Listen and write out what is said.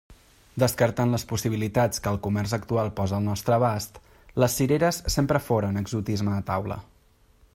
Descartant les possibilitats que el comerç actual posa al nostre abast, les cireres sempre foren exotisme a taula.